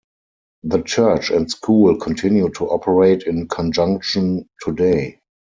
The church and school continue to operate in conjunction today.